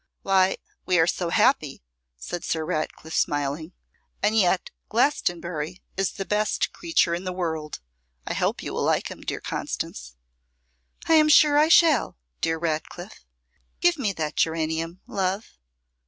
'Why, we are so happy,' said Sir Ratcliffe, smiling; 'and yet Glastonbury is the best creature in the world. I hope you will like him, dear Constance.' 'I am sure I shall, dear Ratcliffe. Give me that geranium, love.